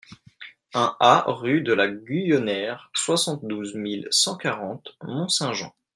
un A rue de la Guyonnière, soixante-douze mille cent quarante Mont-Saint-Jean